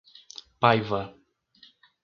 Paiva